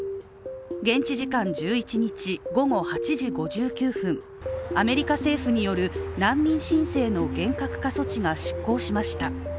現地時間１１日午後８時５９分アメリカ政府による難民申請の厳格化措置が失効しました。